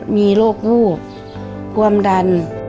มีโรควูบความดัน